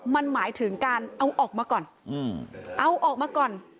มันหมายถึงการเอาออกมาก่อนเอาออกมาก่อน